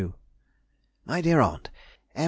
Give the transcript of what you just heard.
MY DEAR AUNT,— M.